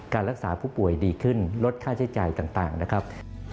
รักษาผู้ป่วยดีขึ้นลดค่าใช้จ่ายต่างนะครับ